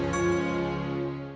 sampai jumpa lagi